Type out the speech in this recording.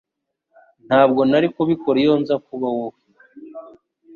Ntabwo nari kubikora iyo nza kuba wowe